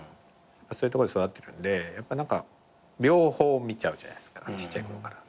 そういうとこで育ってるんで両方見ちゃうじゃないですかちっちゃいころから。